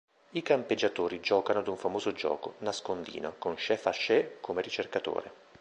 I campeggiatori giocano ad un famoso gioco: nascondino, con Chef Hatchet come ricercatore.